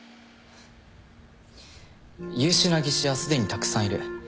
優秀な技師はすでにたくさんいる。